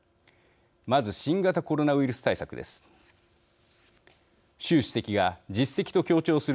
まず新型コロナウイルス対策です。